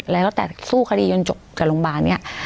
แล้วตั้งแต่สู้คดียนต์จบกับโรงพยาบาลไง